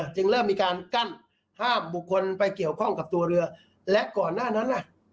จึงเริ่มมีการกั้นห้ามบุคคลไปเกี่ยวข้องกับตัวเรือและก่อนหน้านั้นล่ะ